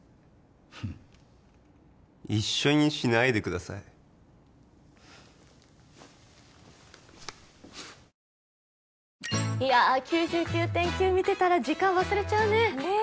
うん一緒にしないでください「９９．９」見てたら時間忘れちゃうねねえ